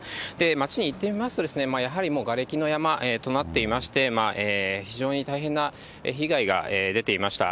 街に行ってみますと、やはりもうがれきの山となっていまして、非常に大変な被害が出ていました。